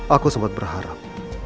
aku sempat berharap